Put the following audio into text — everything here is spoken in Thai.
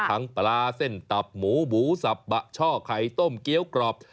ปลาเส้นตับหมูหมูสับบะช่อไข่ต้มเกี้ยวกรอบ